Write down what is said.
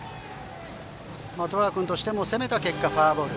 十川君としても攻めた結果フォアボール。